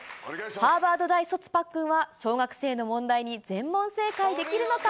ハーバード大卒、パックンは小学生の問題に全問正解できるのか。